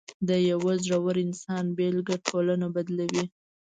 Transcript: د یو زړور انسان بېلګه ټولنه بدلوي.